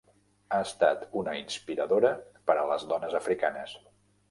Ha estat una inspiradora per a les dones africanes.